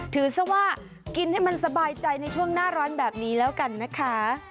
ซะว่ากินให้มันสบายใจในช่วงหน้าร้อนแบบนี้แล้วกันนะคะ